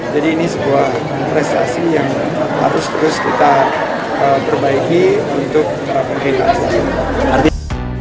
jadi ini sebuah prestasi yang harus terus kita perbaiki untuk para penghina